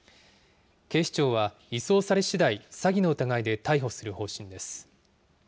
警視庁は、移送されしだい、詐欺の疑いで逮捕する方針です。